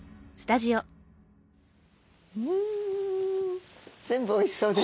うん全部おいしそうです。